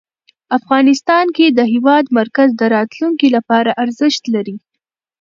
افغانستان کې د هېواد مرکز د راتلونکي لپاره ارزښت لري.